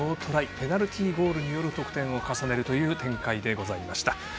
ペナルティーゴールによる得点を重ねるという展開でございました。